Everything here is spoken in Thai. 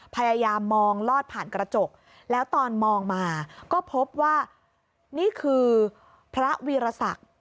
พยายามมองลอดผ่านกระจกแล้วตอนมองมาก็พบว่านี่คือพระวีรศักดิ์